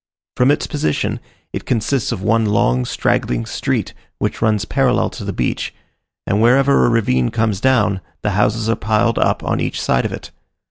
From its position, it consists of one long, straggling street, which runs parallel to the beach, and wherever a ravine comes down, the houses are piled up on each side of it.